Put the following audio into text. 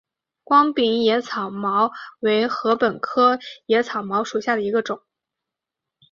光柄野青茅为禾本科野青茅属下的一个种。